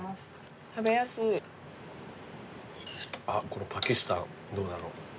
このパキスタンどうだろう。